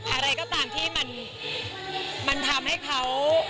อะไรก็ตามที่มันทำให้เขา